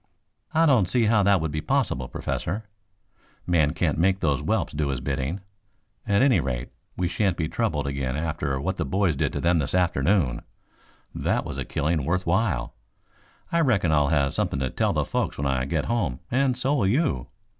"I don't see how that would be possible, Professor. Man can't make those whelps do his bidding. At any rate, we shan't be troubled again after what the boys did to them this afternoon. That was a killing worth while. I reckon I'll have something to tell the folks when I get home and so will you.